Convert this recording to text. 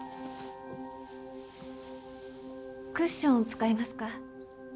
クッション使いますか？